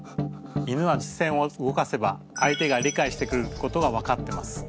犬は視線を動かせば相手が理解してくれることが分かってます。